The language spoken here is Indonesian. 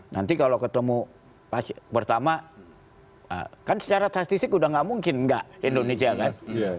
nanti kalau ketemu pertama kan secara statistik udah gak mungkin nggak indonesia kan